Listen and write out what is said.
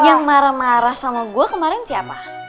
yang marah marah sama gue kemarin siapa